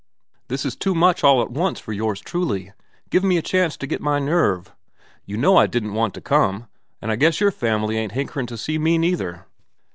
"This is too much all at once for yours truly. Give me a chance to get my nerve. You know I didn't want to come, an' I guess your fam'ly ain't hankerin' to see me neither."